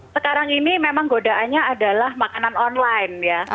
sekarang ini memang godaannya adalah makanan online ya